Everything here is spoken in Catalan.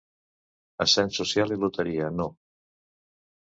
Ascens social i loteria, no.